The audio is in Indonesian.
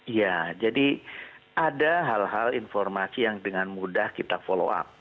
iya jadi ada hal hal informasi yang dengan mudah kita follow up